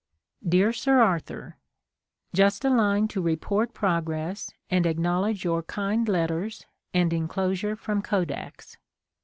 Dear Sir Arthur, Just a line to report progress and ac knowledge your kind letters and enclosure from Kodak's.